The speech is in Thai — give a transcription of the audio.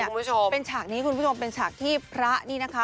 คุณผู้ชมเป็นฉากนี้คุณผู้ชมเป็นฉากที่พระนี่นะคะ